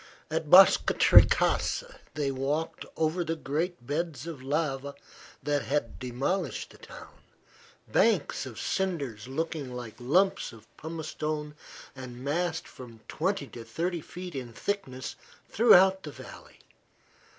At Boscatrecasa they walked over the great beds of lava that had demolished the town banks of cinders looking like lumps of pumice stone and massed from twenty to thirty feet in thickness throughout the valley.